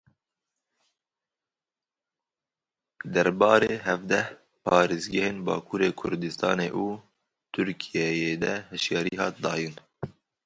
Derbarê hevdeh parêzgehên Bakurê Kurdistanê û Tirkiyeyê de hişyarî hat dayîn.